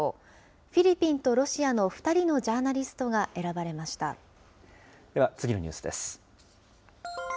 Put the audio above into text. フィリピンとロシアの２人のジャでは、次のニュースです。